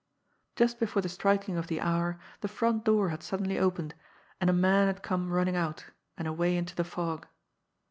Just before the striking of the hour the front door had suddenly opened, and a man had come running out, and away into the fog.